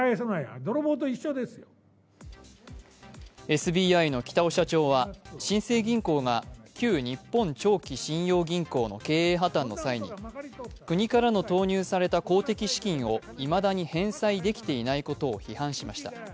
ＳＢＩの北尾社長は、新生銀行が旧日本長期信用銀行の経営破たんの際に、国からの投入された公的資金をいまだに返済できていないことを批判しました。